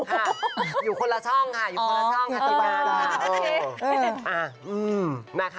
อยู่คนละช่องค่ะอยู่คนละช่องค่ะติดตามค่ะ